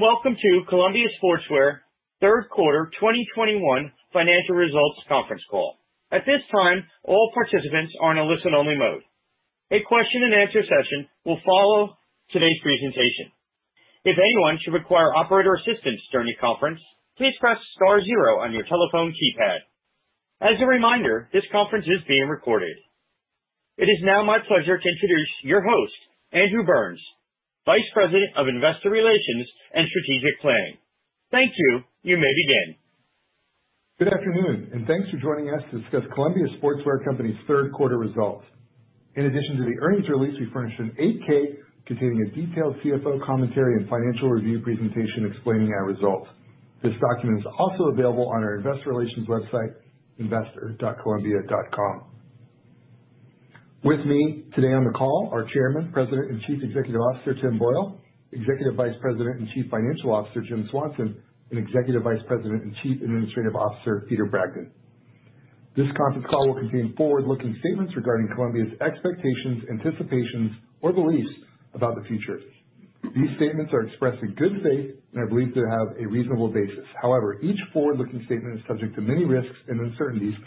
Welcome to Columbia Sportswear Q3 2021 Financial Results Conference Call. At this time, all participants are in a listen only mode. A question and answer session will follow today's presentation. If anyone should require operator assistance during the conference, please press star zero on your telephone keypad. As a reminder, this conference is being recorded. It is now my pleasure to introduce your host, Andrew Burns, Vice President of Investor Relations and Strategic Planning. Thank you. You may begin. Good afternoon and thanks for joining us to discuss Columbia Sportswear Company's Q3 results. In addition to the earnings release, we furnished an 8-K containing a detailed CFO commentary and financial review presentation explaining our results. This document is also available on our investor relations website, investor.columbia.com. With me today on the call are Chairman, President and Chief Executive Officer, Tim Boyle, Executive Vice President and Chief Financial Officer, Jim Swanson, and Executive Vice President and Chief Administrative Officer, Peter Bragdon. This conference call will contain forward-looking statements regarding Columbia's expectations, anticipations, or beliefs about the future. These statements are expressed in good faith and are believed to have a reasonable basis. However, each forward-looking statement is subject to many risks and uncertainties,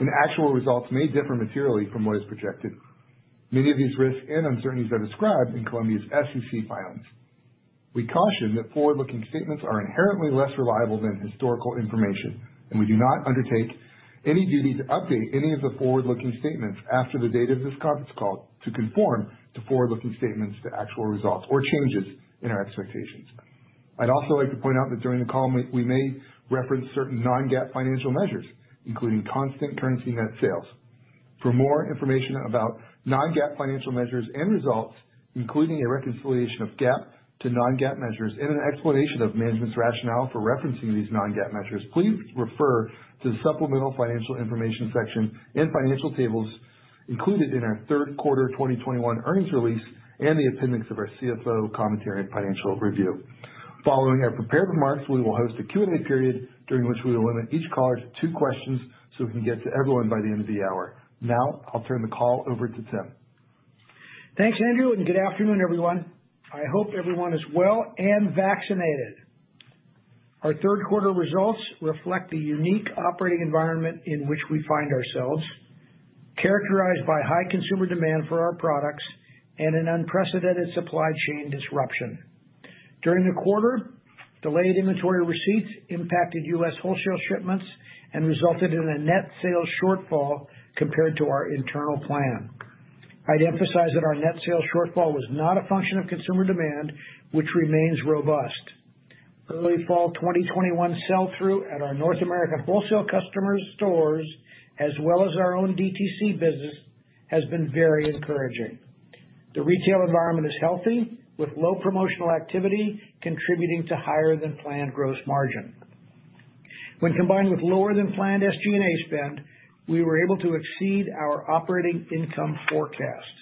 and actual results may differ materially from what is projected. Many of these risks and uncertainties are described in Columbia's SEC filings. We caution that forward-looking statements are inherently less reliable than historical information, and we do not undertake any duty to update any of the forward-looking statements after the date of this conference call to conform the forward-looking statements to actual results or changes in our expectations. I'd also like to point out that during the call we may reference certain non-GAAP financial measures, including constant currency net sales. For more information about non-GAAP financial measures and results, including a reconciliation of GAAP to non-GAAP measures and an explanation of management's rationale for referencing these non-GAAP measures, please refer to the Supplemental Financial Information section and financial tables included in our third quarter 2021 earnings release and the appendix of our CFO commentary and financial review. Following our prepared remarks, we will host a Q&A period during which we will limit each caller to two questions so we can get to everyone by the end of the hour. Now I'll turn the call over to Tim. Thanks, Andrew, and good afternoon, everyone. I hope everyone is well and vaccinated. Our third quarter results reflect the unique operating environment in which we find ourselves, characterized by high consumer demand for our products and an unprecedented supply chain disruption. During the quarter, delayed inventory receipts impacted U.S. wholesale shipments and resulted in a net sales shortfall compared to our internal plan. I'd emphasize that our net sales shortfall was not a function of consumer demand, which remains robust. Early fall 2021 sell-through at our North American wholesale customers' stores, as well as our own DTC business, has been very encouraging. The retail environment is healthy, with low promotional activity contributing to higher than planned gross margin. When combined with lower than planned SG&A spend, we were able to exceed our operating income forecast.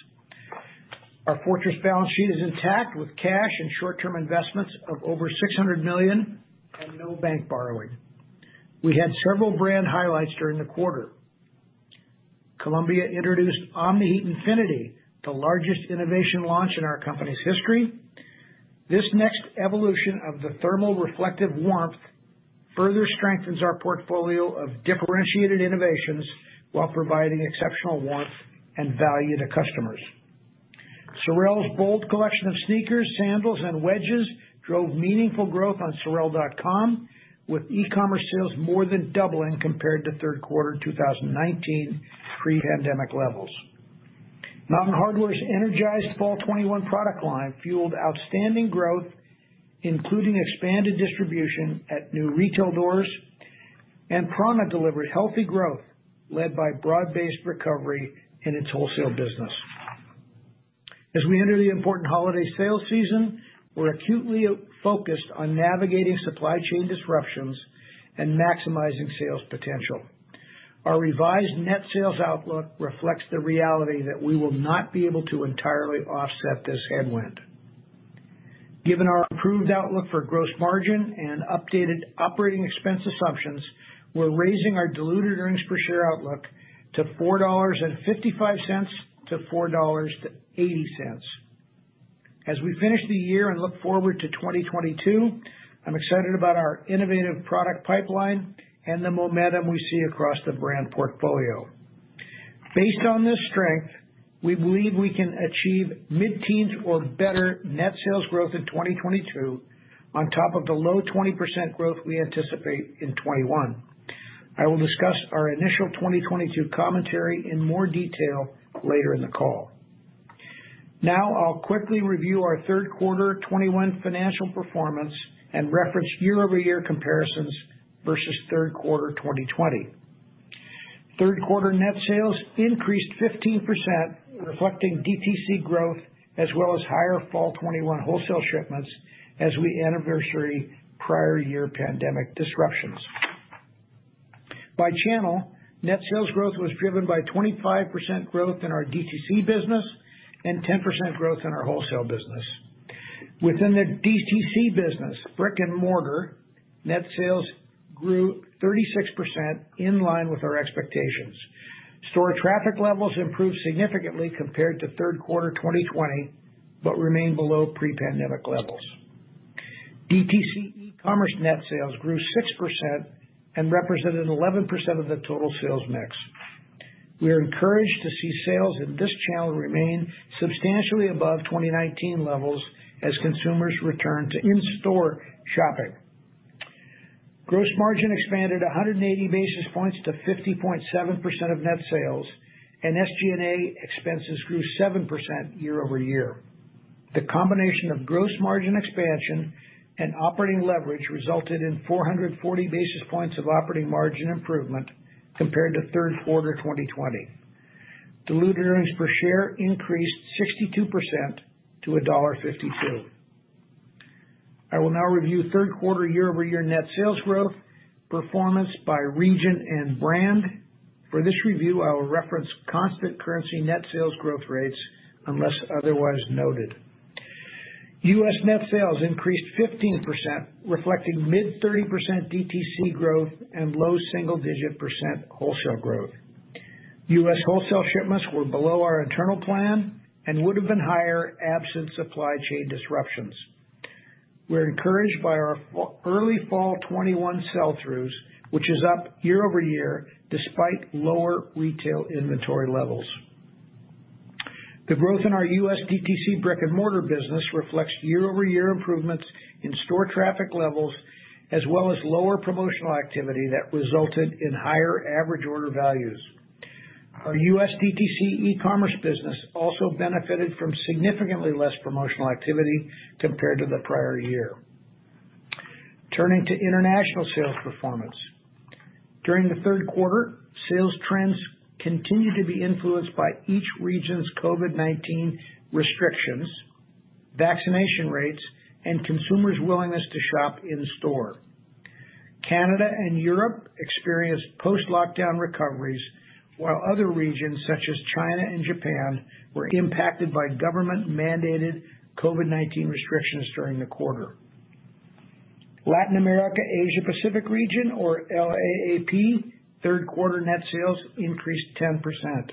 Our fortress balance sheet is intact with cash and short-term investments of over $600 million and no bank borrowing. We had several brand highlights during the quarter. Columbia introduced Omni-Heat Infinity, the largest innovation launch in our company's history. This next evolution of the thermal reflective warmth further strengthens our portfolio of differentiated innovations while providing exceptional warmth and value to customers. SOREL's bold collection of sneakers, sandals and wedges drove meaningful growth on SOREL.com, with e-commerce sales more than doubling compared to Q3 2019 pre-pandemic levels. Mountain Hardwear's energized fall 2021 product line fueled outstanding growth, including expanded distribution at new retail doors. prAna delivered healthy growth led by broad-based recovery in its wholesale business. As we enter the important holiday sales season, we're acutely focused on navigating supply chain disruptions and maximizing sales potential. Our revised net sales outlook reflects the reality that we will not be able to entirely offset this headwind. Given our improved outlook for gross margin and updated operating expense assumptions, we're raising our diluted earnings per share outlook to $4.55-$4.80. As we finish the year and look forward to 2022, I'm excited about our innovative product pipeline and the momentum we see across the brand portfolio. Based on this strength, we believe we can achieve mid-teens% or better net sales growth in 2022 on top of the low 20% growth we anticipate in 2021. I will discuss our initial 2022 commentary in more detail later in the call. Now I'll quickly review our third quarter 2021 financial performance and reference year-over-year comparisons versus third quarter 2020. Q3 net sales increased 15%, reflecting DTC growth as well as higher fall 2021 wholesale shipments as we anniversary prior year pandemic disruptions. By channel, net sales growth was driven by 25% growth in our DTC business and 10% growth in our wholesale business. Within the DTC business, brick-and-mortar net sales grew 36% in line with our expectations. Store traffic levels improved significantly compared to Q3 2020, but remained below pre-pandemic levels. DTC e-commerce net sales grew 6% and represented 11% of the total sales mix. We are encouraged to see sales in this channel remain substantially above 2019 levels as consumers return to in-store shopping. Gross margin expanded 180 basis points to 50.7% of net sales and SG&A expenses grew 7% year-over-year. The combination of gross margin expansion and operating leverage resulted in 440 basis points of operating margin improvement compared to Q3 2020. Diluted earnings per share increased 62% to $1.52. I will now review third quarter year-over-year net sales growth performance by region and brand. For this review, I will reference constant currency net sales growth rates unless otherwise noted. U.S. net sales increased 15%, reflecting mid-30% DTC growth and low single-digit % wholesale growth. U.S. wholesale shipments were below our internal plan and would have been higher absent supply chain disruptions. We're encouraged by our early fall 2021 sell-throughs, which is up year-over-year, despite lower retail inventory levels. The growth in our U.S. DTC brick-and-mortar business reflects year-over-year improvements in store traffic levels, as well as lower promotional activity that resulted in higher average order values. Our U.S. DTC e-commerce business also benefited from significantly less promotional activity compared to the prior year. Turning to international sales performance. During the Q3, sales trends continued to be influenced by each region's COVID-19 restrictions, vaccination rates, and consumers' willingness to shop in-store. Canada and Europe experienced post-lockdown recoveries, while other regions such as China and Japan were impacted by government-mandated COVID-19 restrictions during the quarter. Latin America, Asia Pacific region or LAAP Q3 net sales increased 10%.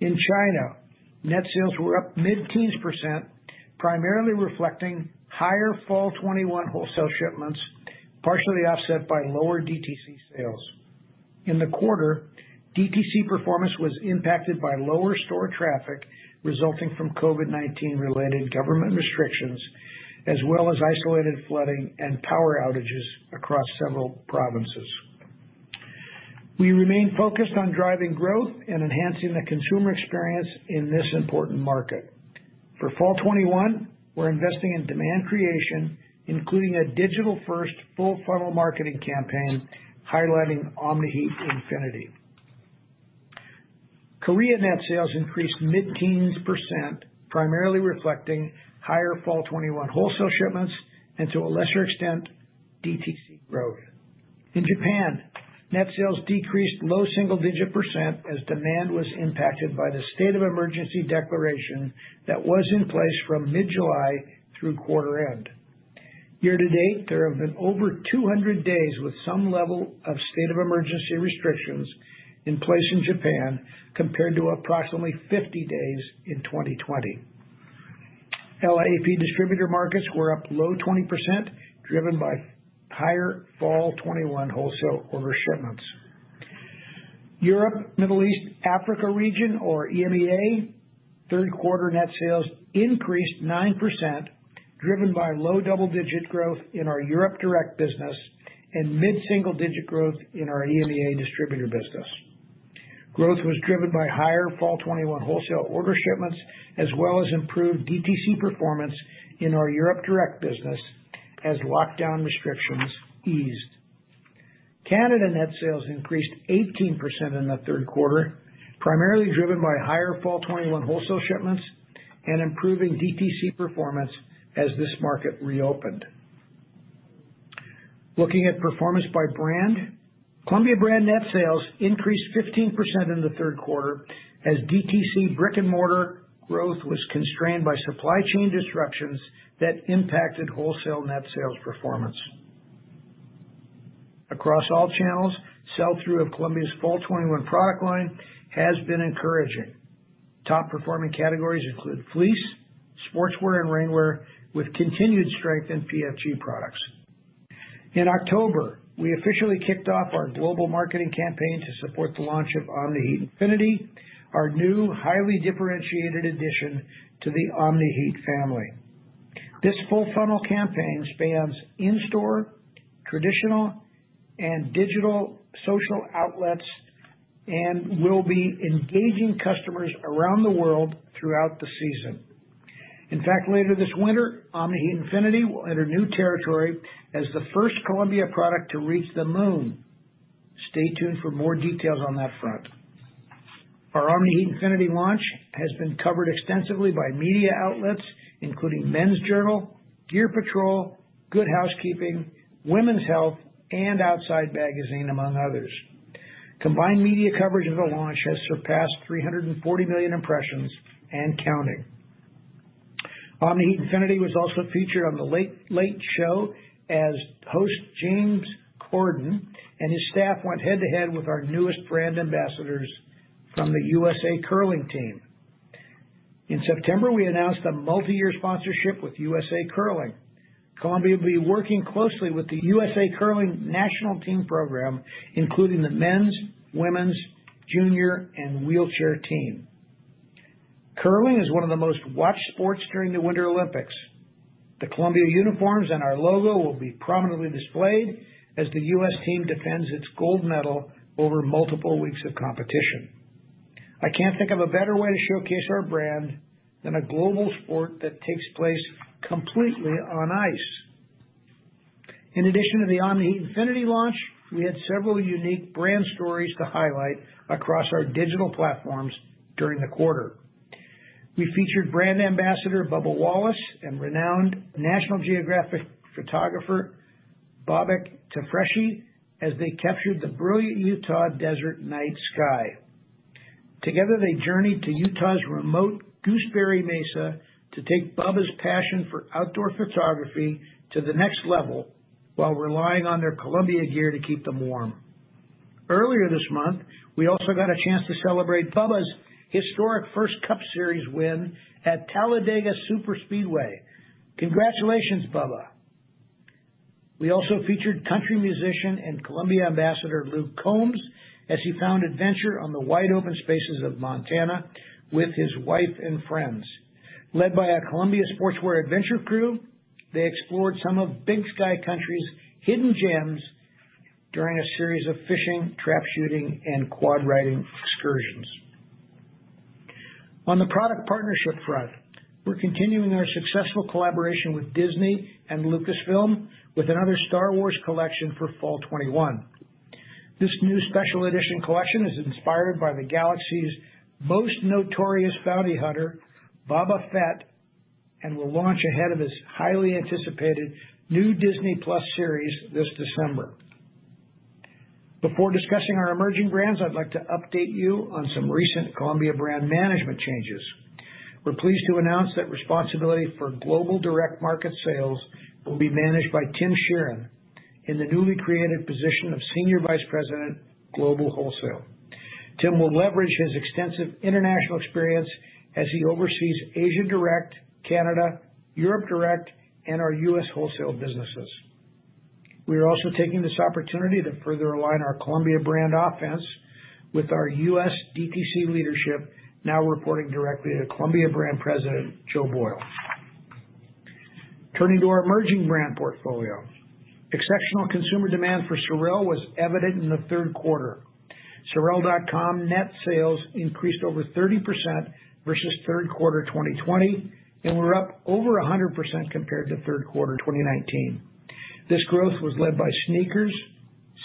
In China, net sales were up mid-teens%, primarily reflecting higher fall 2021 wholesale shipments, partially offset by lower DTC sales. In the quarter, DTC performance was impacted by lower store traffic resulting from COVID-19 related government restrictions, as well as isolated flooding and power outages across several provinces. We remain focused on driving growth and enhancing the consumer experience in this important market. For fall 2021, we're investing in demand creation, including a digital-first full funnel marketing campaign highlighting Omni-Heat Infinity. Korea net sales increased mid-teens%, primarily reflecting higher fall 2021 wholesale shipments and to a lesser extent, DTC growth. In Japan, net sales decreased low single-digit% as demand was impacted by the state of emergency declaration that was in place from mid-July through quarter end. Year to date, there have been over 200 days with some level of state of emergency restrictions in place in Japan, compared to approximately 50 days in 2020. LAAP distributor markets were up low 20%, driven by higher fall 2021 wholesale order shipments. Europe, Middle East, Africa region or EMEA Q3 net sales increased 9%, driven by low double-digit growth in our Europe direct business and mid-single-digit growth in our EMEA distributor business. Growth was driven by higher fall 2021 wholesale order shipments, as well as improved DTC performance in our Europe direct business as lockdown restrictions eased. Canada net sales increased 18% in the third quarter, primarily driven by higher fall 2021 wholesale shipments and improving DTC performance as this market reopened. Looking at performance by brand, Columbia brand net sales increased 15% in the third quarter as DTC brick-and-mortar growth was constrained by supply chain disruptions that impacted wholesale net sales performance. Across all channels, sell-through of Columbia's fall 2021 product line has been encouraging. Top performing categories include fleece, sportswear, and rainwear, with continued strength in PFG products. In October, we officially kicked off our global marketing campaign to support the launch of Omni-Heat Infinity, our new highly differentiated addition to the Omni-Heat family. This full funnel campaign spans in-store, traditional, and digital social outlets and will be engaging customers around the world throughout the season. In fact, later this winter, Omni-Heat Infinity will enter new territory as the first Columbia product to reach the moon. Stay tuned for more details on that front. Our Omni-Heat Infinity launch has been covered extensively by media outlets including Men's Journal, Gear Patrol, Good Housekeeping, Women's Health, and Outside Magazine, among others. Combined media coverage of the launch has surpassed 340 million impressions and counting. Omni-Heat Infinity was also featured on The Late Late Show as host James Corden and his staff went head-to-head with our newest brand ambassadors from the USA Curling team. In September, we announced a multi-year sponsorship with USA Curling. Columbia will be working closely with the USA Curling National Team program, including the men's, women's, junior, and wheelchair team. Curling is one of the most watched sports during the Winter Olympics. The Columbia uniforms and our logo will be prominently displayed as the U.S. team defends its gold medal over multiple weeks of competition. I can't think of a better way to showcase our brand than a global sport that takes place completely on ice. In addition to the Omni-Heat Infinity launch, we had several unique brand stories to highlight across our digital platforms during the quarter. We featured brand ambassador Bubba Wallace and renowned National Geographic photographer Babak Tafreshi as they captured the brilliant Utah desert night sky. Together, they journeyed to Utah's remote Gooseberry Mesa to take Bubba's passion for outdoor photography to the next level while relying on their Columbia gear to keep them warm. Earlier this month, we also got a chance to celebrate Bubba's historic first Cup series win at Talladega Superspeedway. Congratulations, Bubba. We also featured country musician and Columbia ambassador Luke Combs as he found adventure on the wide open spaces of Montana with his wife and friends. Led by a Columbia Sportswear adventure crew, they explored some of Big Sky Country's hidden gems during a series of fishing, trap shooting, and quad riding excursions. On the product partnership front, we're continuing our successful collaboration with Disney and Lucasfilm with another Star Wars collection for fall 2021. This new special edition collection is inspired by the galaxy's most notorious bounty hunter, Boba Fett, and will launch ahead of his highly anticipated new Disney+ series this December. Before discussing our emerging brands, I'd like to update you on some recent Columbia brand management changes. We're pleased to announce that responsibility for global direct market sales will be managed by Tim Sheerin in the newly created position of Senior Vice President, Global Wholesale. Tim will leverage his extensive international experience as he oversees Asia Direct, Canada, Europe Direct, and our U.S. wholesale businesses. We are also taking this opportunity to further align our Columbia brand offense with our U.S. DTC leadership now reporting directly to Columbia Brand President Joe Boyle. Turning to our emerging brand portfolio. Exceptional consumer demand for SOREL was evident in the Q3. SOREL.com net sales increased over 30% versus Q3 2020, and we're up over 100% compared to Q3 2019. This growth was led by sneakers,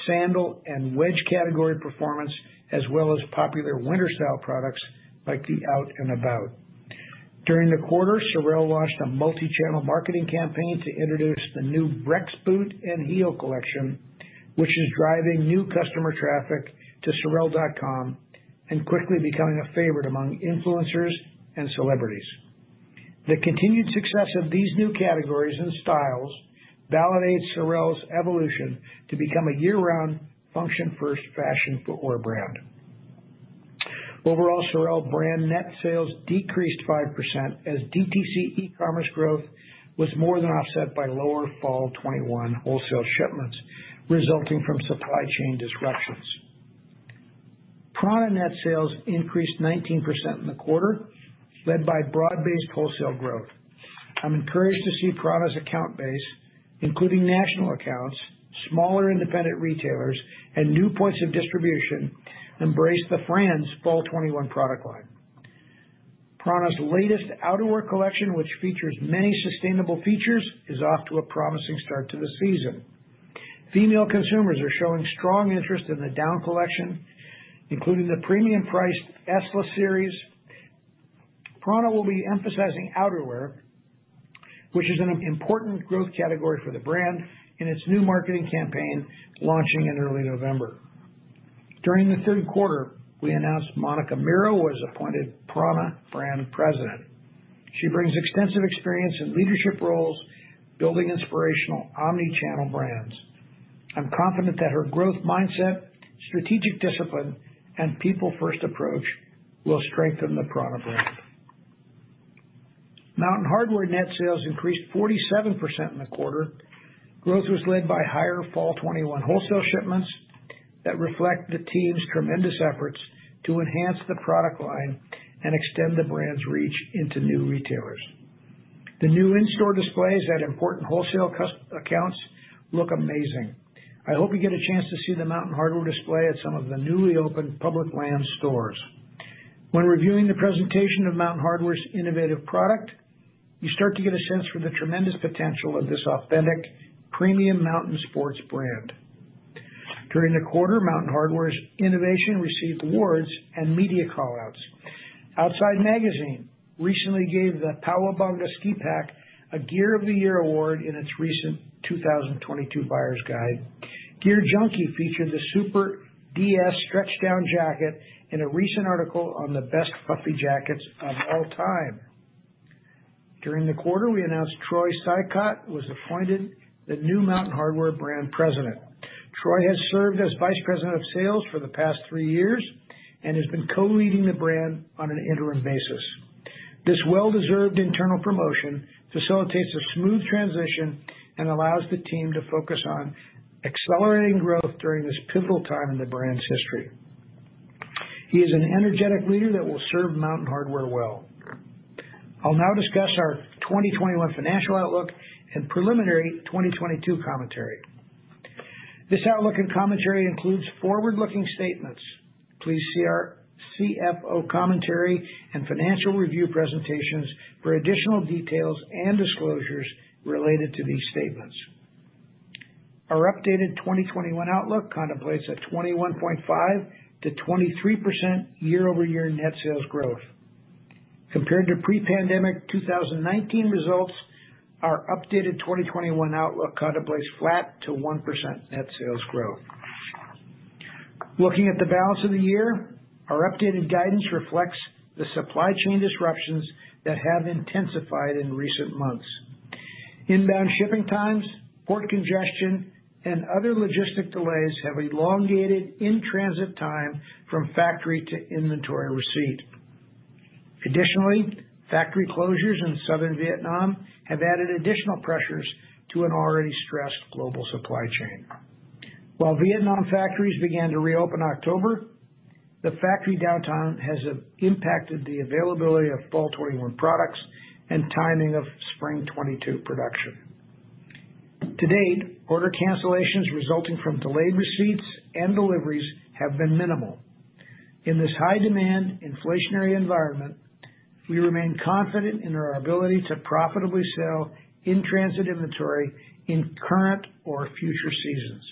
sandals, and wedge category performance, as well as popular winter style products like the Out ’N About. During the quarter, SOREL launched a multi-channel marketing campaign to introduce the new Brex Boot and Heel collection, which is driving new customer traffic to sorel.com and quickly becoming a favorite among influencers and celebrities. The continued success of these new categories and styles validates SOREL's evolution to become a year-round function first fashion footwear brand. Overall, SOREL brand net sales decreased 5% as DTC e-commerce growth was more than offset by lower fall 2021 wholesale shipments resulting from supply chain disruptions. prAna net sales increased 19% in the quarter, led by broad-based wholesale growth. I'm encouraged to see prAna's account base, including national accounts, smaller independent retailers, and new points of distribution, embrace the brand's fall 2021 product line. prAna's latest outerwear collection, which features many sustainable features, is off to a promising start to the season. Female consumers are showing strong interest in the Down collection, including the premium priced Atlas series. prAna will be emphasizing outerwear, which is an important growth category for the brand in its new marketing campaign launching in early November. During the third quarter, we announced Monica Mirro was appointed prAna Brand President. She brings extensive experience in leadership roles, building inspirational omni-channel brands. I'm confident that her growth mindset, strategic discipline, and people first approach will strengthen the prAna brand. Mountain Hardwear net sales increased 47% in the quarter. Growth was led by higher fall 2021 wholesale shipments that reflect the team's tremendous efforts to enhance the product line and extend the brand's reach into new retailers. The new in-store displays at important wholesale customer accounts look amazing. I hope you get a chance to see the Mountain Hardwear display at some of the newly opened Public Lands stores. When reviewing the presentation of Mountain Hardwear's innovative product, you start to get a sense for the tremendous potential of this authentic premium mountain sports brand. During the quarter, Mountain Hardwear's innovation received awards and media call-outs. Outside Magazine recently gave the Powabunga 32 Pack a Gear of the Year award in its recent 2022 Buyer's guide. GearJunkie featured the Super/DS Stretchdown Hooded Jacket in a recent article on the best puffy jackets of all time. During the quarter, we announced Troy Sicotte was appointed the new Mountain Hardwear brand president. Troy has served as vice president of sales for the past three years and has been co-leading the brand on an interim basis. This well-deserved internal promotion facilitates a smooth transition and allows the team to focus on accelerating growth during this pivotal time in the brand's history. He is an energetic leader that will serve Mountain Hardwear well. I'll now discuss our 2021 financial outlook and preliminary 2022 commentary. This outlook and commentary includes forward-looking statements. Please see our CFO commentary and financial review presentations for additional details and disclosures related to these statements. Our updated 2021 outlook contemplates a 21.5%-23% year-over-year net sales growth. Compared to pre-pandemic 2019 results, our updated 2021 outlook contemplates flat to 1% net sales growth. Looking at the balance of the year, our updated guidance reflects the supply chain disruptions that have intensified in recent months. Inbound shipping times, port congestion, and other logistic delays have elongated in-transit time from factory to inventory receipt. Additionally, factory closures in southern Vietnam have added additional pressures to an already stressed global supply chain. While Vietnam factories began to reopen October, the factory downtime has impacted the availability of fall 2021 products and timing of spring 2022 production. To date, order cancellations resulting from delayed receipts and deliveries have been minimal. In this high demand, inflationary environment, we remain confident in our ability to profitably sell in-transit inventory in current or future seasons.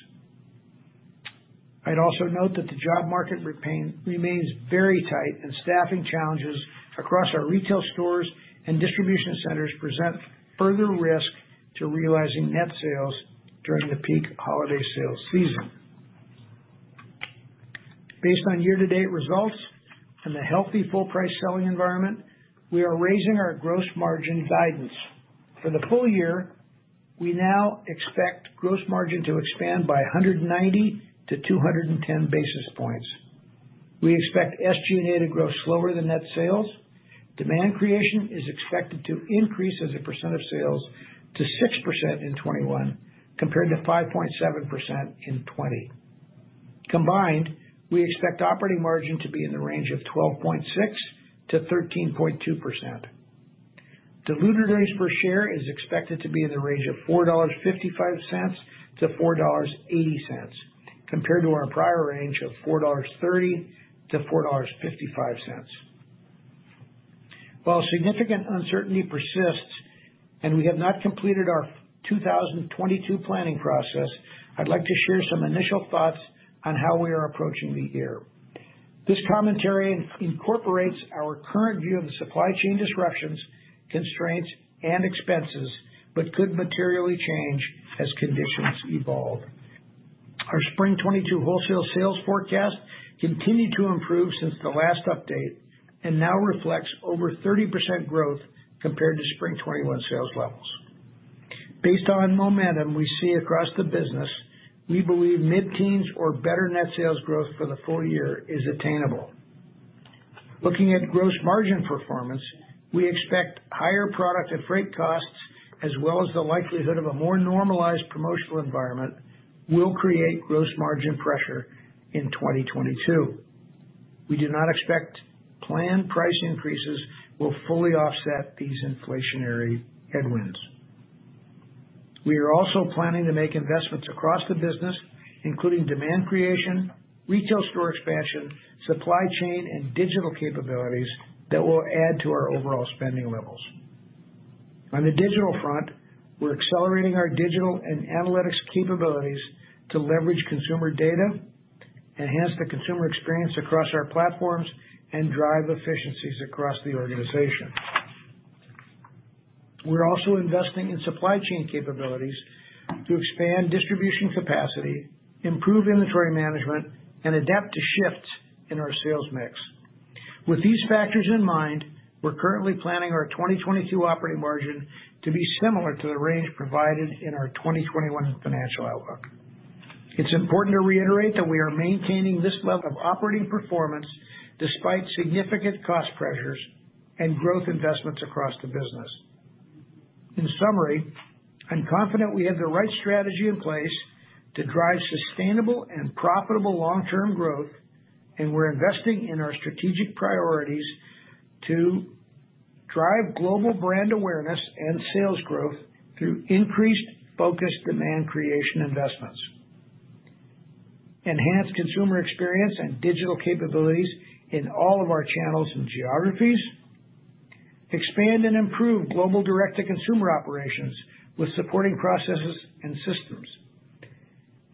I'd also note that the job market remains very tight and staffing challenges across our retail stores and distribution centers present further risk to realizing net sales during the peak holiday sales season. Based on year-to-date results and the healthy full price selling environment, we are raising our gross margin guidance. For the full year, we now expect gross margin to expand by 190 basis points to 210 basis points. We expect SG&A to grow slower than net sales. Demand creation is expected to increase as a percent of sales to 6% in 2021, compared to 5.7% in 2020. Combined, we expect operating margin to be in the range of 12.6%-13.2%. Diluted earnings per share is expected to be in the range of $4.55-$4.80, compared to our prior range of $4.30-$4.55. While significant uncertainty persists and we have not completed our 2022 planning process, I'd like to share some initial thoughts on how we are approaching the year. This commentary incorporates our current view of the supply chain disruptions, constraints, and expenses, but could materially change as conditions evolve. Our spring 2022 wholesale sales forecast continued to improve since the last update, and now reflects over 30% growth compared to spring 2021 sales levels. Based on momentum we see across the business, we believe mid-teens or better net sales growth for the full year is attainable. Looking at gross margin performance, we expect higher product and freight costs, as well as the likelihood of a more normalized promotional environment, will create gross margin pressure in 2022. We do not expect planned price increases will fully offset these inflationary headwinds. We are also planning to make investments across the business, including demand creation, retail store expansion, supply chain, and digital capabilities that will add to our overall spending levels. On the digital front, we're accelerating our digital and analytics capabilities to leverage consumer data, enhance the consumer experience across our platforms, and drive efficiencies across the organization. We're also investing in supply chain capabilities to expand distribution capacity, improve inventory management, and adapt to shifts in our sales mix. With these factors in mind, we're currently planning our 2022 operating margin to be similar to the range provided in our 2021 financial outlook. It's important to reiterate that we are maintaining this level of operating performance despite significant cost pressures and growth investments across the business. In summary, I'm confident we have the right strategy in place to drive sustainable and profitable long-term growth, and we're investing in our strategic priorities to drive global brand awareness and sales growth through increased focused demand creation investments, enhance consumer experience and digital capabilities in all of our channels and geographies, expand and improve global direct-to-consumer operations with supporting processes and systems,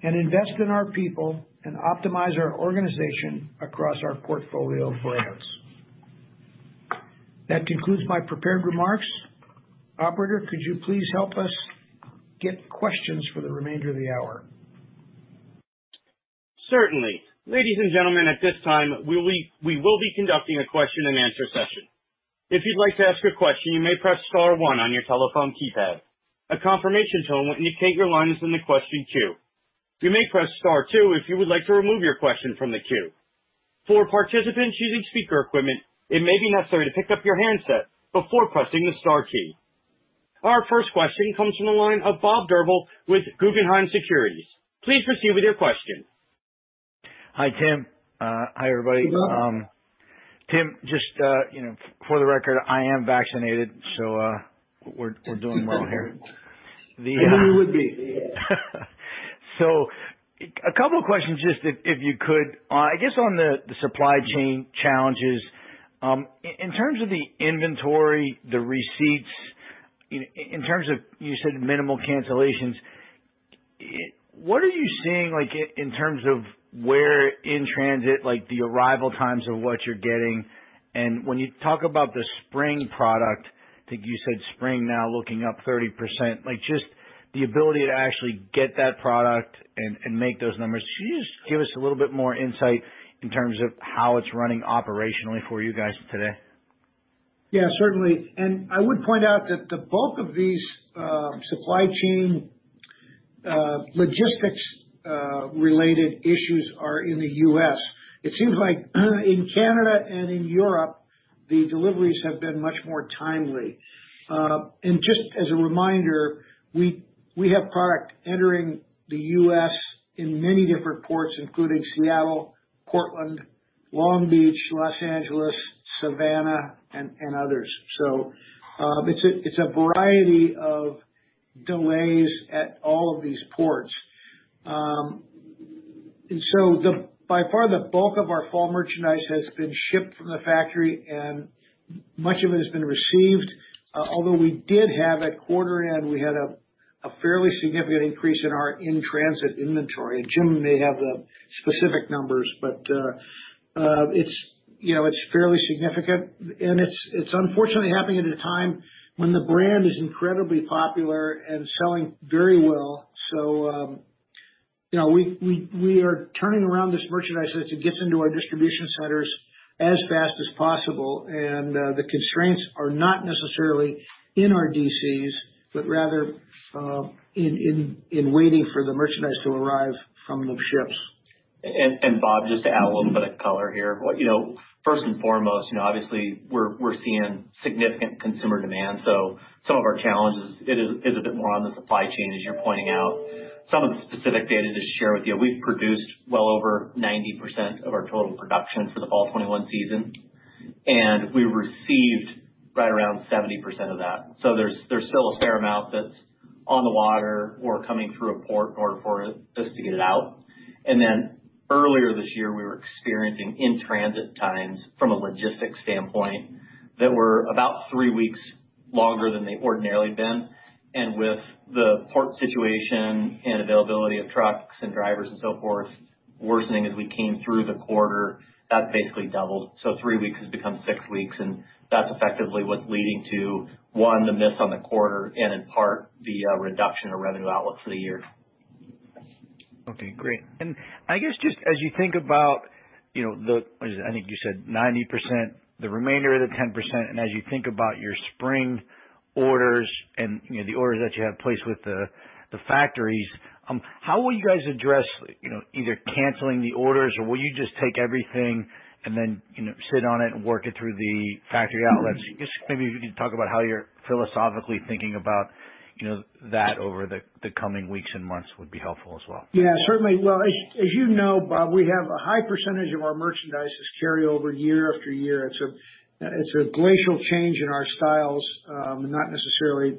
and invest in our people and optimize our organization across our portfolio of brands. That concludes my prepared remarks. Operator, could you please help us get questions for the remainder of the hour? Certainly. Ladies and gentlemen, at this time, we will be conducting a question and answer session. If you'd like to ask a question, you may press star one on your telephone keypad. A confirmation tone will indicate your line is in the question queue. You may press star two if you would like to remove your question from the queue. For participants using speaker equipment, it may be necessary to pick up your handset before pressing the star key. Our first question comes from the line of Bob Drbul with Guggenheim Securities. Please proceed with your question. Hi, Tim. Hi, everybody. Hello. Tim, just, you know, for the record, I am vaccinated, so, we're doing well here. I knew you would be. A couple of questions, just if you could. I guess on the supply chain challenges, in terms of the inventory, the receipts, in terms of you said minimal cancellations, what are you seeing like in terms of where in transit, like the arrival times of what you're getting? When you talk about the spring product, I think you said spring now looking up 30%, like just the ability to actually get that product and make those numbers. Can you just give us a little bit more insight in terms of how it's running operationally for you guys today? Yeah, certainly. I would point out that the bulk of these supply chain logistics related issues are in the U.S. It seems like in Canada and in Europe, the deliveries have been much more timely. Just as a reminder, we have product entering the U.S. in many different ports, including Seattle, Portland, Long Beach, Los Angeles, Savannah, and others. It's a variety of delays at all of these ports. By far the bulk of our fall merchandise has been shipped from the factory and much of it has been received. Although we had a fairly significant increase in our in-transit inventory at quarter end. Jim may have the specific numbers, but it's fairly significant. It's unfortunately happening at a time when the brand is incredibly popular and selling very well. We are turning around this merchandise as it gets into our distribution centers as fast as possible. The constraints are not necessarily in our DCs, but rather in waiting for the merchandise to arrive from the ships. Bob, just to add a little bit of color here. First and foremost, obviously we're seeing significant consumer demand. Some of our challenges is a bit more on the supply chain, as you're pointing out. Some of the specific data to share with you. We've produced well over 90% of our total production for the fall 2021 season, and we received right around 70% of that. There's still a fair amount that's on the water or coming through a port in order for us to get it out. Earlier this year, we were experiencing in-transit times from a logistics standpoint that were about 3 weeks longer than they've ordinarily been. With the port situation and availability of trucks and drivers and so forth worsening as we came through the quarter, that's basically doubled. three weeks has become six weeks, and that's effectively what's leading to, one, the miss on the quarter and in part the reduction of revenue outlook for the year. Okay, great. I guess just as you think about, you know, the. What is it? I think you said 90%, the remainder of the 10%, and as you think about your spring orders and, you know, the orders that you have placed with the factories, how will you guys address, you know, either canceling the orders or will you just take everything and then, you know, sit on it and work it through the factory outlets? Just maybe if you could talk about how you're philosophically thinking about, you know, that over the coming weeks and months would be helpful as well. Yeah, certainly. Well, as you know, Bob, we have a high percentage of our merchandise is carry over year after year. It's a glacial change in our styles, not necessarily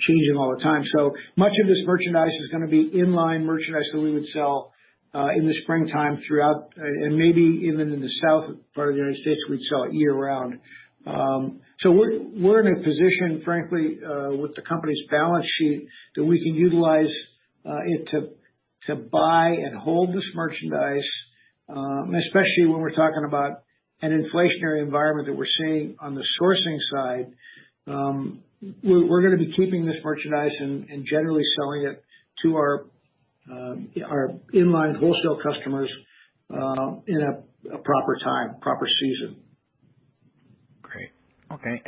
changing all the time. So much of this merchandise is gonna be in-line merchandise that we would sell in the springtime throughout, and maybe even in the south part of the United States we'd sell year round. We're in a position, frankly, with the company's balance sheet that we can utilize it to buy and hold this merchandise, especially when we're talking about an inflationary environment that we're seeing on the sourcing side. We're gonna be keeping this merchandise and generally selling it to our in-line wholesale customers in a proper time, proper season. Great. Okay.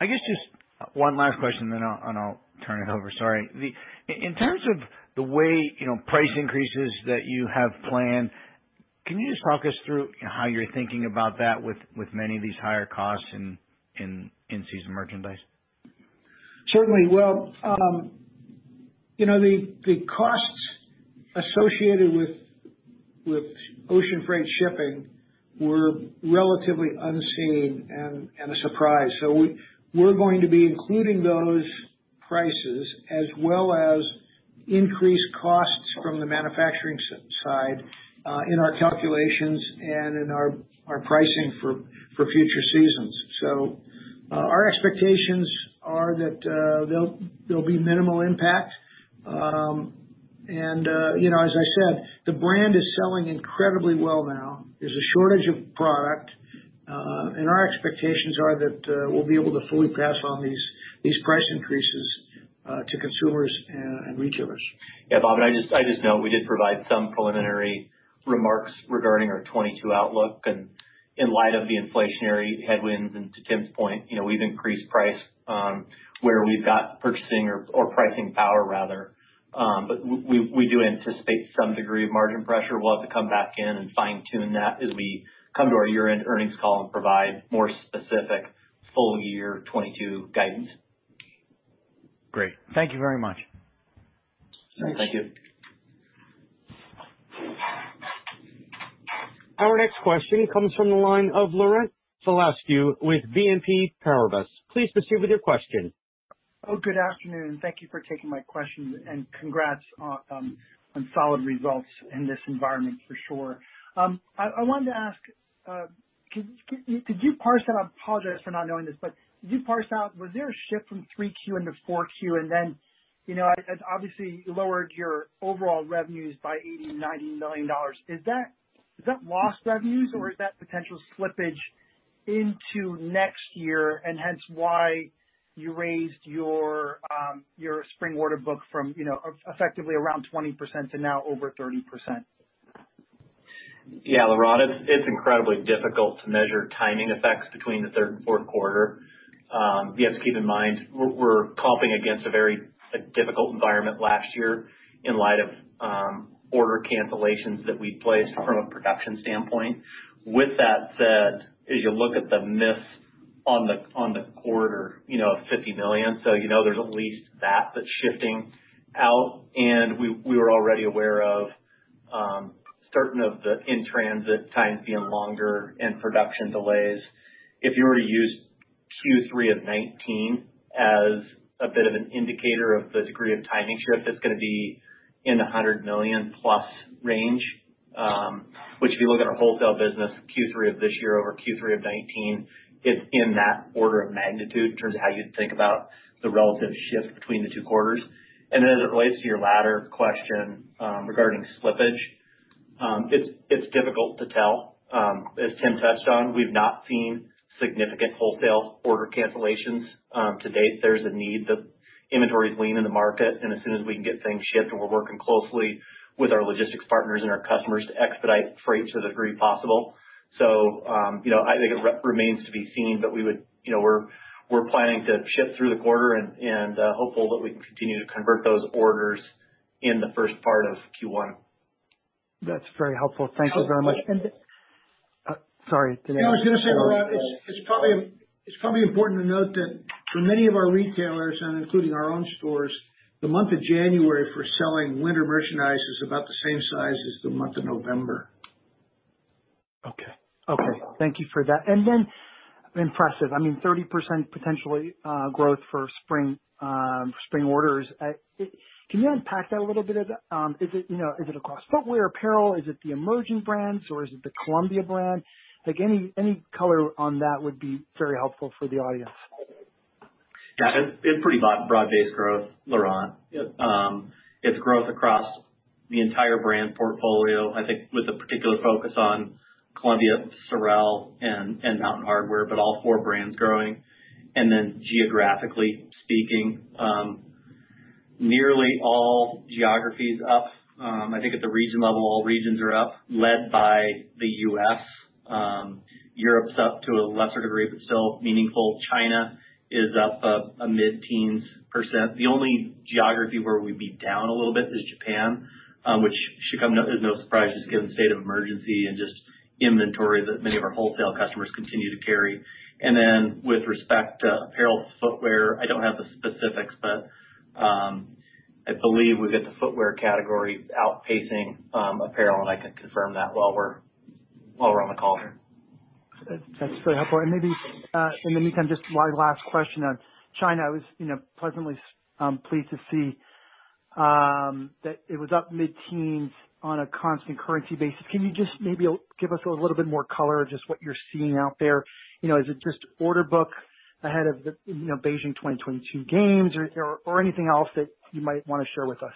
I guess just one last question, then I'll turn it over. Sorry. In terms of the way, you know, price increases that you have planned, can you just talk us through how you're thinking about that with many of these higher costs in season merchandise? Certainly. Well, you know, the costs associated with ocean freight shipping were relatively unseen and a surprise. We're going to be including those prices as well as increased costs from the manufacturing side in our calculations and in our pricing for future seasons. Our expectations are that there'll be minimal impact. As I said, the brand is selling incredibly well now. There's a shortage of product and our expectations are that we'll be able to fully pass on these price increases to consumers and retailers. Yeah, Bob, I just note we did provide some preliminary remarks regarding our 2022 outlook. In light of the inflationary headwinds, and to Tim's point, we've increased price where we've got pricing power rather. We do anticipate some degree of margin pressure. We'll have to come back in and fine-tune that as we come to our year-end earnings call and provide more specific full-year 2022 guidance. Great. Thank you very much. Thanks. Thank you. Our next question comes from the line of Laurent Vasilescu with BNP Paribas. Please proceed with your question. Oh, good afternoon. Thank you for taking my question and congrats on on solid results in this environment for sure. I wanted to ask, could you parse out. I apologize for not knowing this, but could you parse out, was there a shift from Q3 into Q4 and then, it obviously lowered your overall revenues by $80-$90 million. Is that lost revenues or is that potential slippage into next year and hence why you raised your your spring order book from, you know, effectively around 20% to now over 30%? Yeah. Laurent, it's incredibly difficult to measure timing effects between the third and fourth quarter. You have to keep in mind we're comping against a very difficult environment last year in light of order cancellations that we placed from a production standpoint. With that said, as you look at the miss on the quarter, you know, of $50 million, so you know there's at least that that's shifting out. We were already aware of certain of the in-transit times being longer and production delays. If you were to use Q3 of 2019 as a bit of an indicator of the degree of timing shift, it's gonna be in the $100 million-plus range. Which if you look at our wholesale business Q3 of this year over Q3 of 2019, it's in that order of magnitude in terms of how you'd think about the relative shift between the two quarters. As it relates to your latter question, regarding slippage, it's difficult to tell. As Tim touched on, we've not seen significant wholesale order cancellations to date. There's a need. The inventory's lean in the market, and as soon as we can get things shipped, and we're working closely with our logistics partners and our customers to expedite freight to the degree possible. You know, I think it remains to be seen. We're planning to ship through the quarter and hopeful that we can continue to convert those orders in the first part of Q1. That's very helpful. Thank you very much. I would- Sorry, go ahead. No, I was gonna say, Laurent, it's probably important to note that for many of our retailers, and including our own stores, the month of January for selling winter merchandise is about the same size as the month of November. Okay. Okay, thank you for that. Impressive, I mean, 30% potentially growth for spring orders. Can you unpack that a little bit? Is it, across footwear, apparel? Is it the emerging brands or is it the Columbia brand? Like any color on that would be very helpful for the audience. Yeah. It's pretty broad based growth, Laurent. Yep. It's growth across the entire brand portfolio, I think with a particular focus on Columbia, Sorel and Mountain Hardwear, but all four brands growing. Then geographically speaking, nearly all geographies up. I think at the region level, all regions are up, led by the U.S. Europe's up to a lesser degree, but still meaningful. China is up a mid-teens %. The only geography where we'd be down a little bit is Japan, which should come, is no surprise just given the state of emergency and just inventory that many of our wholesale customers continue to carry. Then with respect to apparel, footwear, I don't have the specifics, but, I believe we've got the footwear category outpacing, apparel, and I can confirm that while we're, while we're on the call here. That's very helpful. Maybe, in the meantime, just my last question on China. I was, pleasantly pleased to see that it was up mid-teens on a constant currency basis. Can you just maybe give us a little bit more color, just what you're seeing out there? IS it just order book ahead of the, Beijing 2022 games or anything else that you might wanna share with us?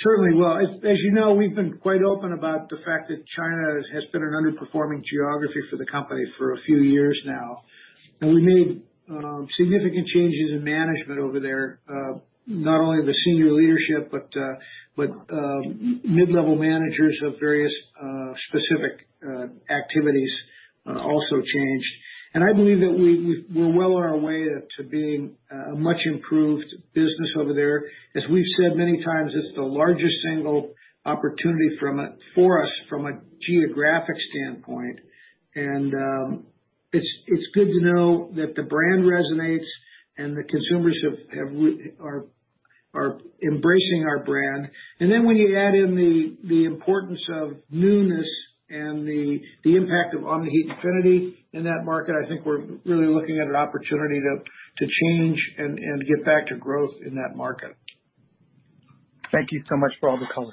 Certainly. Well, as we've been quite open about the fact that China has been an underperforming geography for the company for a few years now. We made significant changes in management over there. Not only the senior leadership, but mid-level managers of various specific activities also changed. I believe that we're well on our way to being a much improved business over there. As we've said many times, it's the largest single opportunity for us from a geographic standpoint. It's good to know that the brand resonates and the consumers are embracing our brand. When you add in the importance of newness and the impact of Omni-Heat Infinity in that market, I think we're really looking at an opportunity to change and get back to growth in that market. Thank you so much for all the color.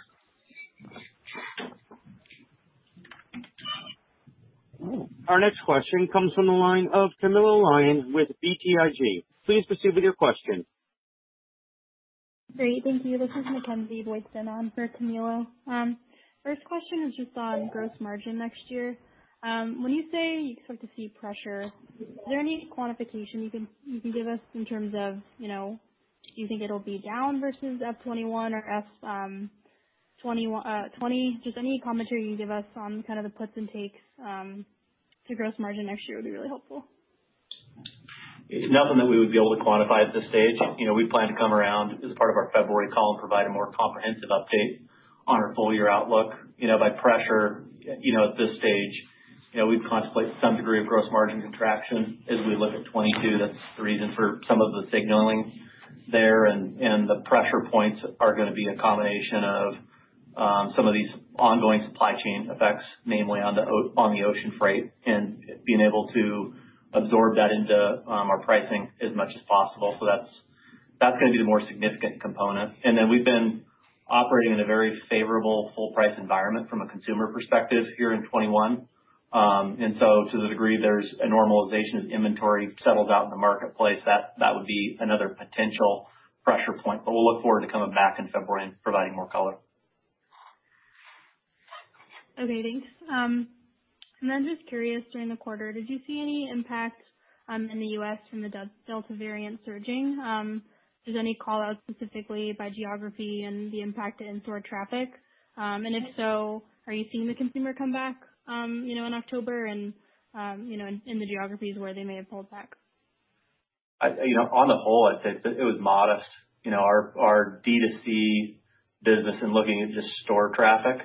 Our next question comes from the line of Camilo Lyon with BTIG. Please proceed with your question. Great. Thank you. This is Mackenzie Boydston filling in for Camilo. First question is just on gross margin next year. When you say you expect to see pressure, is there any quantification you can give us in terms of, you know, do you think it'll be down versus FY2021 or FY2020? Just any commentary you can give us on kind of the puts and takes to gross margin next year would be really helpful. It's nothing that we would be able to quantify at this stage. We plan to come around as part of our February call and provide a more comprehensive update on our full year outlook. By pressure, at this stage, We'd contemplate some degree of gross margin contraction as we look at 2022. That's the reason for some of the signaling there. The pressure points are gonna be a combination of some of these ongoing supply chain effects, mainly on the ocean freight, and being able to absorb that into our pricing as much as possible. That's gonna be the more significant component. We've been operating in a very favorable full price environment from a consumer perspective here in 2021. To the degree there's a normalization as inventory settles out in the marketplace, that would be another potential pressure point. We'll look forward to coming back in February and providing more color. Okay, thanks. Just curious, during the quarter, did you see any impact in the U.S. from the Delta variant surging? Is there any call outs specifically by geography and the impact to in-store traffic? If so, are you seeing the consumer come back, in October and, in the geographies where they may have pulled back? You know, on the whole, I'd say it was modest. Our D2C business and looking at just store traffic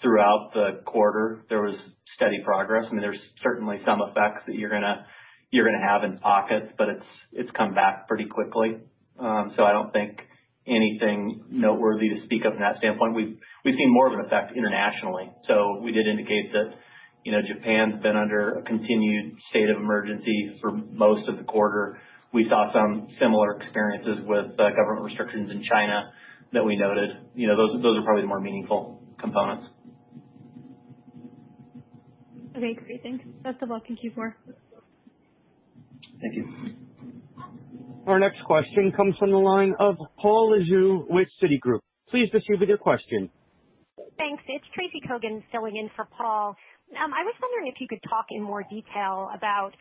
throughout the quarter, there was steady progress. I mean, there's certainly some effects that you're gonna have in pockets, but it's come back pretty quickly. So I don't think anything noteworthy to speak of from that standpoint. We've seen more of an effect internationally. We did indicate that, you know, Japan's been under a continued state of emergency for most of the quarter. We saw some similar experiences with government restrictions in China that we noted. You know, those are probably the more meaningful components. Okay, great. Thanks. That's all. Thank you for. Thank you. Our next question comes from the line of Paul Lejuez with Citigroup. Please proceed with your question. Thanks. It's Tracy Kogan filling in for Paul. I was wondering if you could talk in more detail about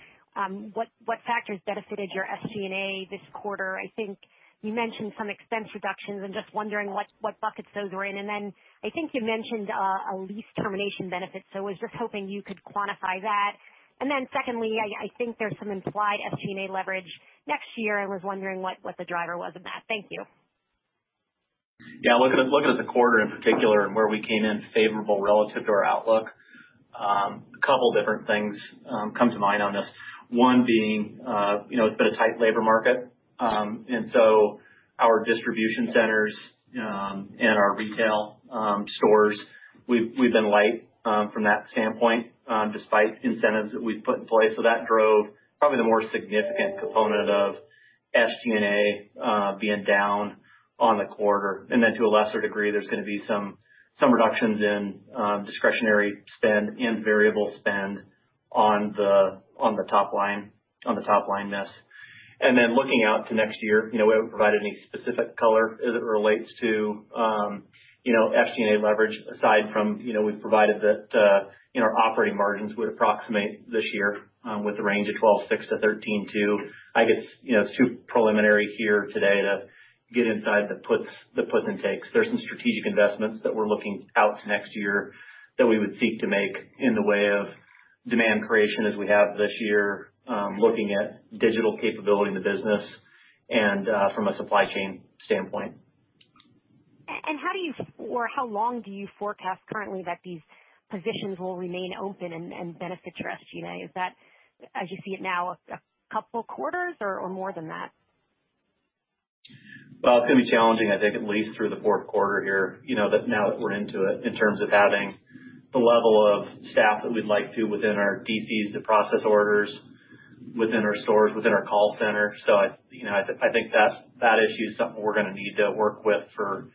what factors benefited your SG&A this quarter. I think you mentioned some expense reductions and just wondering what buckets those were in. Then I think you mentioned a lease termination benefit. So I was just hoping you could quantify that. Then secondly, I think there's some implied SG&A leverage next year. I was wondering what the driver was of that. Thank you. Looking at the quarter in particular and where we came in favorable relative to our outlook, a couple different things come to mind on this. One being, it's been a tight labor market. Our distribution centers and our retail stores, we've been light from that standpoint despite incentives that we've put in place. That drove probably the more significant component of SG&A being down on the quarter. Then to a lesser degree, there's gonna be some reductions in discretionary spend and variable spend on the top line miss. Looking out to next year, you know, we haven't provided any specific color as it relates to, you know, SG&A leverage aside from, you know, we've provided that, you know, our operating margins would approximate this year with the range of 12.6%-13.2%. I guess, it's too preliminary here today to get inside the puts and takes. There's some strategic investments that we're looking out to next year that we would seek to make in the way of demand creation as we have this year, looking at digital capability in the business and from a supply chain standpoint. How long do you forecast currently that these positions will remain open and benefit your SG&A? Is that, as you see it now, a couple quarters or more than that? Well, it's gonna be challenging, I think, at least through the Q4 here, that now that we're into it, in terms of having the level of staff that we'd like to within our DCs to process orders within our stores, within our call center. I think that issue is something we're gonna need to work with for,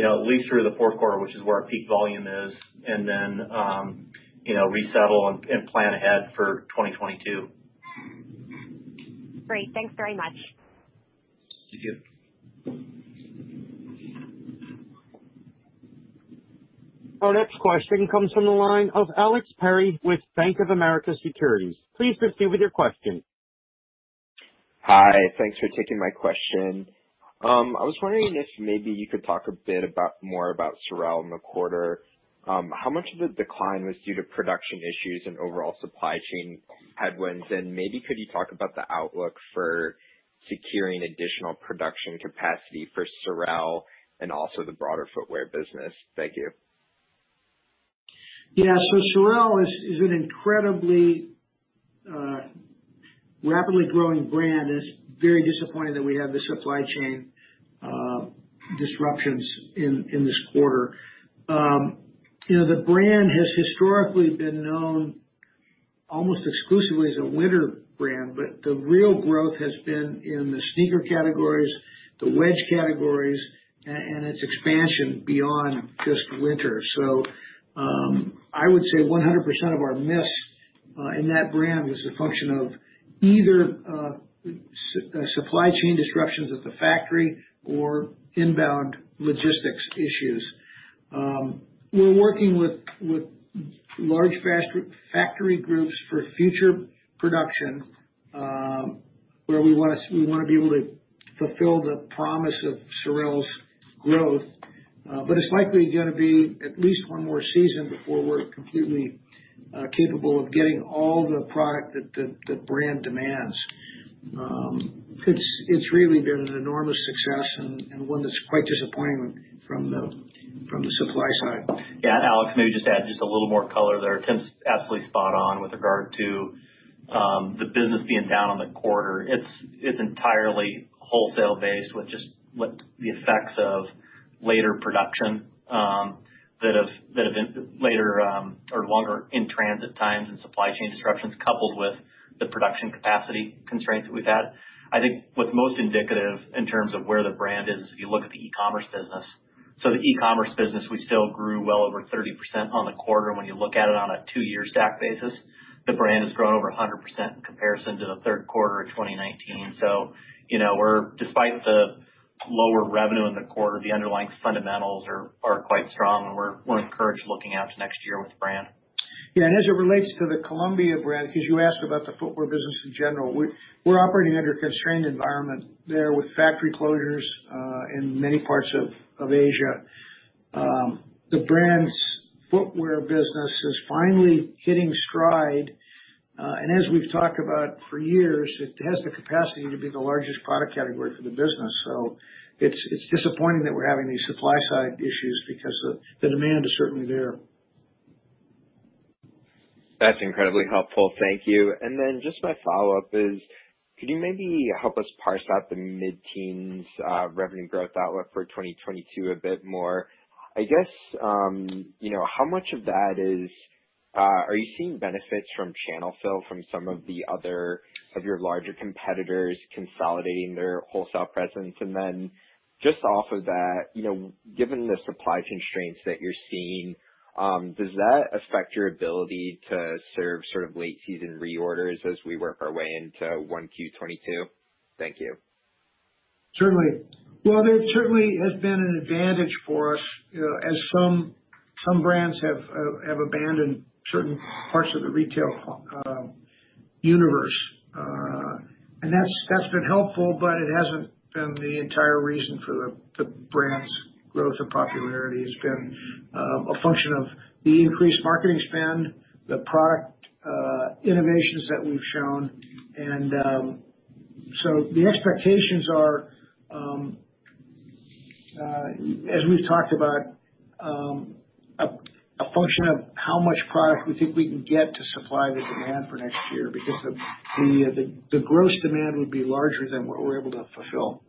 at least through the Q4 which is where our peak volume is, and then, resettle and plan ahead for 2022. Great. Thanks very much. Thank you. Our next question comes from the line of Alex Perry with Bank of America Securities. Please proceed with your question. Hi. Thanks for taking my question. I was wondering if maybe you could talk a bit more about SOREL in the quarter. How much of the decline was due to production issues and overall supply chain headwinds? Maybe could you talk about the outlook for securing additional production capacity for SOREL and also the broader footwear business? Thank you. Yeah. SOREL is an incredibly rapidly growing brand, and it's very disappointing that we have the supply chain disruptions in this quarter. The brand has historically been known almost exclusively as a winter brand, but the real growth has been in the sneaker categories, the wedge categories, and its expansion beyond just winter. I would say 100% of our miss in that brand was a function of either supply chain disruptions at the factory or inbound logistics issues. We're working with large factory groups for future production, where we wanna be able to fulfill the promise of SOREL's growth. But it's likely gonna be at least one more season before we're completely capable of getting all the product that the brand demands. It's really been an enormous success and one that's quite disappointing from the supply side. Yeah. Alex, may I just add a little more color there. Tim's absolutely spot on with regard to the business being down on the quarter. It's entirely wholesale based with just the effects of later production that have been later or longer in transit times and supply chain disruptions coupled with the production capacity constraints that we've had. I think what's most indicative in terms of where the brand is, if you look at the e-commerce business. The e-commerce business, we still grew well over 30% on the quarter. When you look at it on a two-year stack basis, the brand has grown over 100% in comparison to the third quarter of 2019. We're... Despite the lower revenue in the quarter, the underlying fundamentals are quite strong and we're encouraged looking out to next year with the brand. Yeah. As it relates to the Columbia brand, because you asked about the footwear business in general, we're operating under a constrained environment there with factory closures in many parts of Asia. The brand's footwear business is finally hitting stride. As we've talked about for years, it has the capacity to be the largest product category for the business. It's disappointing that we're having these supply-side issues because the demand is certainly there. That's incredibly helpful. Thank you. Just my follow-up is, could you maybe help us parse out the mid-teens revenue growth outlook for 2022 a bit more? I guess, how much of that is, are you seeing benefits from channel fill from some of the other, of your larger competitors consolidating their wholesale presence? Just off of that, you know, given the supply constraints that you're seeing, does that affect your ability to serve sort of late season reorders as we work our way into 1Q 2022? Thank you. Certainly. Well, there certainly has been an advantage for us, as some brands have abandoned certain parts of the retail universe. That's been helpful, but it hasn't been the entire reason for the brand's growth or popularity. It's been a function of the increased marketing spend, the product innovations that we've shown. The expectations are, as we've talked about, a function of how much product we think we can get to supply the demand for next year because the gross demand would be larger than what we're able to fulfill.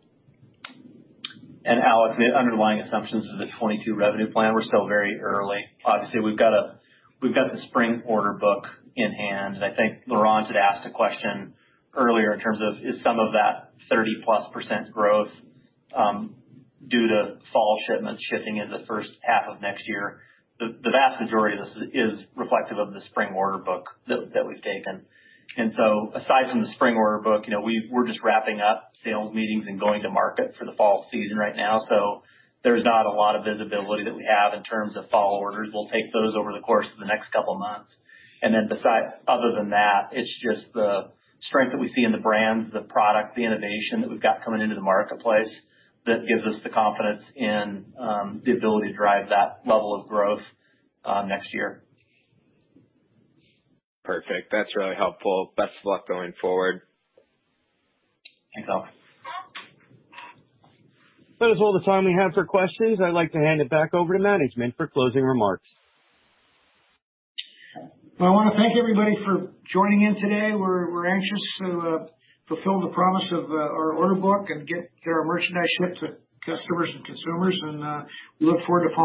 Alex, the underlying assumptions of the 2022 revenue plan were still very early. Obviously, we've got the spring order book in hand. I think Laurent had asked a question earlier in terms of, is some of that 30%+ growth due to fall shipments shifting in the first half of next year? The vast majority of this is reflective of the spring order book that we've taken. Aside from the spring order book, we're just wrapping up sales meetings and going to market for the fall season right now. So there's not a lot of visibility that we have in terms of fall orders. We'll take those over the course of the next couple of months. Other than that, it's just the strength that we see in the brands, the product, the innovation that we've got coming into the marketplace that gives us the confidence in the ability to drive that level of growth next year. Perfect. That's really helpful. Best of luck going forward. Thanks, Alex. That is all the time we have for questions. I'd like to hand it back over to management for closing remarks. I wanna thank everybody for joining in today. We're anxious to fulfill the promise of our order book and get their merchandise shipped to customers and consumers. We look forward to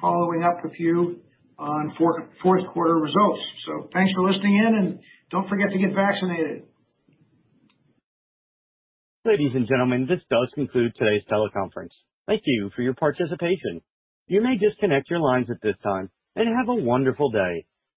following up with you on fourth quarter results. Thanks for listening in, and don't forget to get vaccinated. Ladies and gentlemen, this does conclude today's teleconference. Thank you for your participation. You may disconnect your lines at this time, and have a wonderful day.